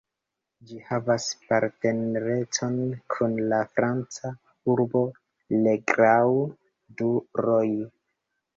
Ĝi havas partnerecon kun la franca urbo Le Grau du Roi.